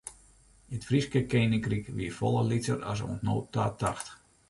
It Fryske keninkryk wie folle lytser as oant no ta tocht.